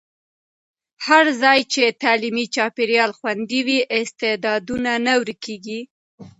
هر ځای چې تعلیمي چاپېریال خوندي وي، استعدادونه نه ورکېږي.